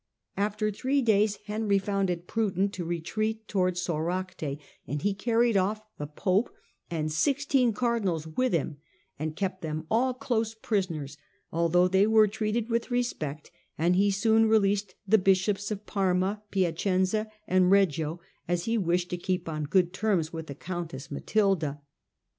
After three days Henry found it prudent to retreat towards Soracte ; but he carried off the pope and sixteen cardinals with him, and kept them all close prisoners, although they were treated with respect, and he soon released the bishops of Parma, Piacenza, and Eeggio, as he wished to keep on good terms with the countess Matilda.